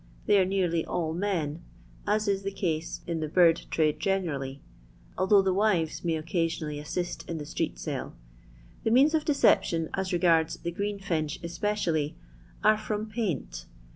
They are nearly all men, as is the case in the bird trade generally, although the wiyes may occasionally assist in the street sale. The means of deception, as regards the greenfinch especially, are from paint.